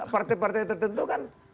partai partai tertentu kan